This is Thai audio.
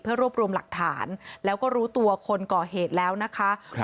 เพื่อรวบรวมหลักฐานแล้วรู้ตัวคนเกาะเหตุแล้วนะครับ